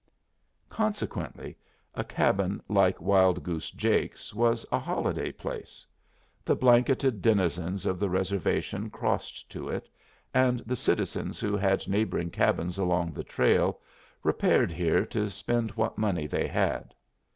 Consequently a cabin like Wild Goose Jake's was a holiday place. The blanketed denizens of the reservation crossed to it, and the citizens who had neighboring cabins along the trail repaired here to spend what money they had.